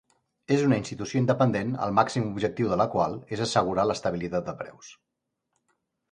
És una institució independent el màxim objectiu de la qual és assegurar l'estabilitat de preus.